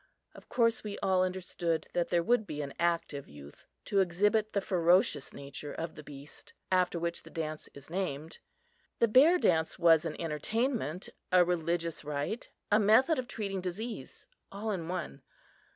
Of course, we all understood that there would be an active youth to exhibit the ferocious nature of the beast after which the dance is named. The Bear Dance was an entertainment, a religious rite, a method of treating disease all in one.